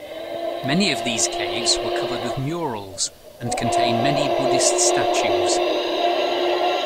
Many of these caves were covered with murals and contain many Buddhist statues.